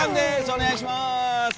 お願いします！